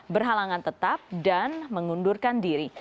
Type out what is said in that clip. berhalangan tetap dan mengundurkan diri